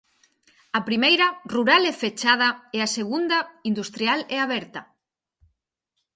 A primeira rural e fechada e a segunda industrial e aberta.